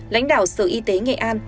lãnh đạo sở y tế nghệ an